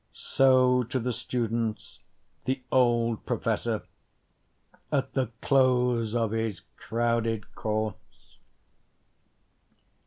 (So to the students the old professor, At the close of his crowded course.)